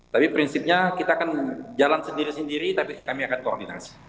tapi prinsipnya kita akan jalan sendiri sendiri tapi kami akan koordinasi